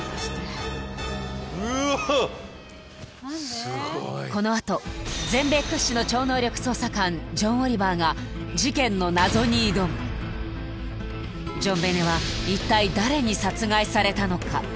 ・すごいこのあと全米屈指の超能力捜査官ジョン・オリバーがジョンベネは一体誰に殺害されたのか！？